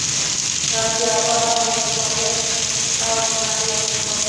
غازي اباد ولسوالي او ناړۍ ولسوالي